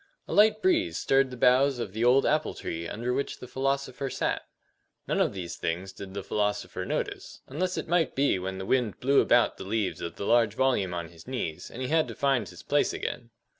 A light breeze stirred the boughs of the old apple tree under which the philosopher sat. None of these things did the philosopher notice, unless it might be when the wind blew about the leaves of the large volume on his knees, and he had to find his place again.